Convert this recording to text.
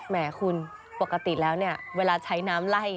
แหมคุณปกติแล้วเนี่ยเวลาใช้น้ำไล่